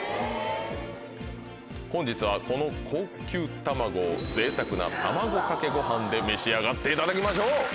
本日はこの高級卵をぜいたくな卵かけご飯で召し上がっていただきましょう。